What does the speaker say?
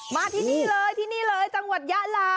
มาที่นี่เลยที่นี่เลยจังหวัดยะลา